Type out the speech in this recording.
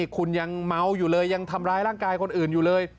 คุณยังเมาอยู่เลยยังทำร้ายร่างกายคนอื่นอยู่เลย